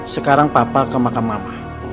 sekarang papa ke makam mama